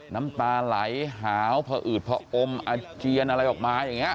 น้ำตาไหลหาวพออืดพออมอาเจียนอะไรออกมาอย่างนี้